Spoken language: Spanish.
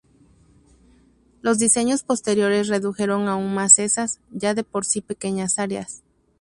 Los diseños posteriores redujeron aún más esas ya de por sí pequeñas áreas.